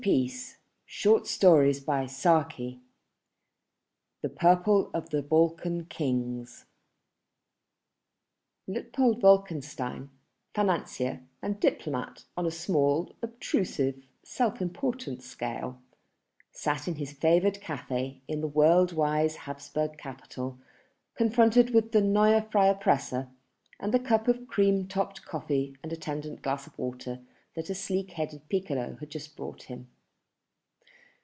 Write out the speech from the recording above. sorrow," rang out the great bell. THE PURPLE OF THE BALKAN KINGS Luitpold Wolkenstein, financier and diplomat on a small, obtrusive, self important scale, sat in his favoured cafe in the world wise Habsburg capital, confronted with the Neue Freie Presse and the cup of cream topped coffee and attendant glass of water that a sleek headed piccolo had just brought him.